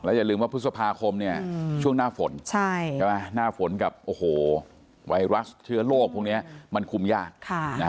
แล้วอย่าลืมว่าพฤษภาคมเนี่ยช่วงหน้าฝนกับไวรัสเชื้อโรคพวกนี้มันคุมยาก